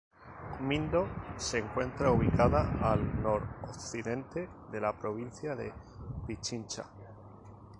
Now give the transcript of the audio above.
Mindo se encuentra ubicada al Nor-occidente de la provincia de Pichincha.